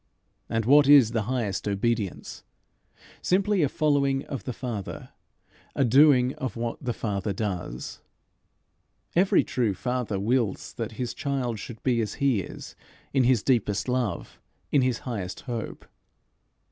And what is the highest obedience? Simply a following of the Father a doing of what the Father does. Every true father wills that his child should be as he is in his deepest love, in his highest hope.